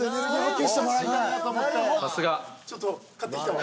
ちょっと買ってきたわ。